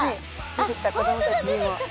出てきた子供たちにも。